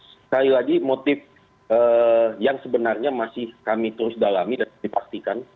sekali lagi motif yang sebenarnya masih kami terus dalami dan dipastikan